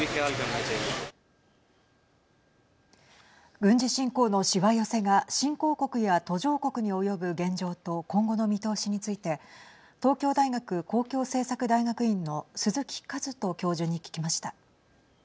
軍事侵攻のしわ寄せが新興国や途上国に及ぶ現状と今後の見通しについて東京大学公共政策大学院の鈴木一人教授に聞きました。